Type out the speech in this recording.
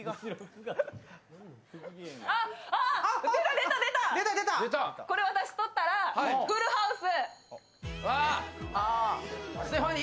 出た、出た、これ私だったら、「フルハウス」！